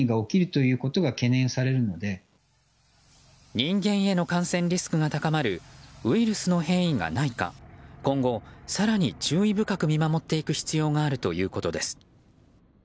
人間への感染リスクが高まるウイルスの変異がないか今後、更に注意深く見守っていく必要があるということです。